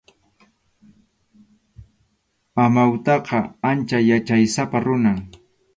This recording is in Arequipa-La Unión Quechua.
Amawtaqa ancha yachaysapa runam.